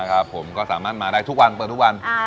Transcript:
ผมก็สามารถมาได้ทุกวันเปิดทุกวัน